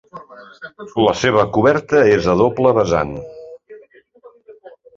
La seva coberta és a doble vessant.